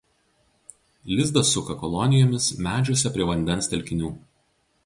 Lizdą suka kolonijomis medžiuose prie vandens telkinių.